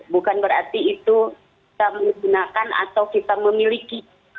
bukan berarti itu kita menggunakan atau kita memiliki